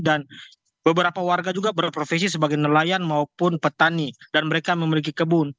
dan beberapa warga juga berprofesi sebagai nelayan maupun petani dan mereka memiliki kebun